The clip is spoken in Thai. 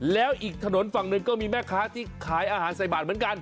แล้วอีกถนนฝั่งหนึ่งก็มีแม่ค้าที่ขายอาหารใส่บาทเหมือนกัน